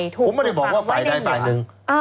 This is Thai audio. จริงหรือผมไม่ได้บอกว่าฝ่ายได้ฝ่ายนึง